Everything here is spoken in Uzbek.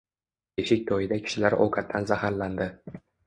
Beshik toʻyida kishilar ovqatdan zaharlandi.